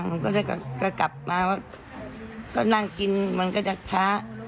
มันก็จะกลับมาก็นั่งกินมันก็จะช้า